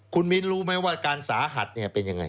คุณมินรู้ไหมว่าการสาหัดนี่เป็นอย่างไร